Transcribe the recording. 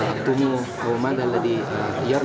saya ingin memperbaiki lebih banyak